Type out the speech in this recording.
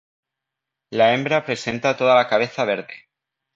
La hembra presenta toda la cabeza verde.